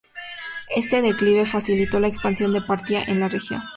Este declive facilitó la expansión de Partia en la región.